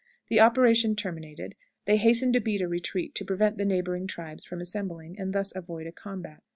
The operation terminated, they hasten to beat a retreat, to prevent the neighboring tribes from assembling, and thus avoid a combat.